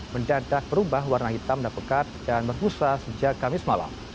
mendadak berubah warna hitam dan pekat dan berbusa sejak kamis malam